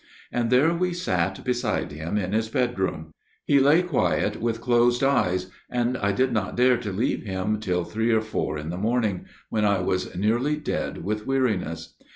And there we sat beside him in his bedroom he lay quiet with closed eyes and I did not dare to leave him till three or four in the morning, when I was nearly dead with weariness.